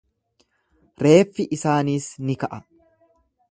Reeffi isaaniis ni ka'a.